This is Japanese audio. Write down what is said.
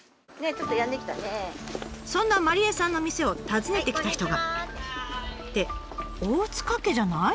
そんな麻梨絵さんの店を訪ねて来た人が。って大塚家じゃない？